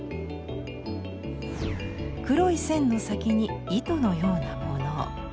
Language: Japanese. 黒い線の先に糸のようなもの。